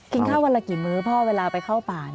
ข้าววันละกี่มื้อพ่อเวลาไปเข้าป่า